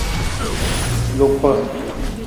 Lupa.